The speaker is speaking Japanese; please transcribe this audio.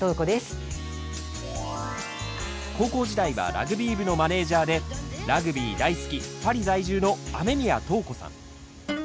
高校時代はラグビー部のマネージャーでラグビー大好きパリ在住の雨宮塔子さん。